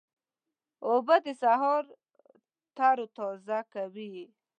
اوبه د سهار تروتازه کوي.